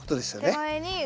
手前に。